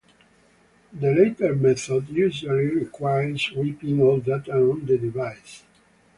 The latter method usually requires wiping all data on the device.